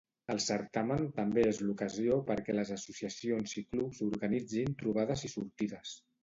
El certamen també és l'ocasió perquè les associacions i clubs organitzin trobades i sortides.